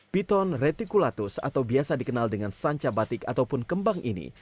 piton reticulatus atau biasa dikenal dengan sanca batik ataupun kembang ini